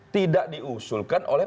tidak diusulkan oleh